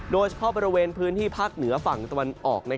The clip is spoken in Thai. โดยเฉพาะบริเวณพื้นที่ภาคเหนือฝั่งตะวันออก